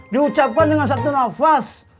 diucapkan dengan satu nafas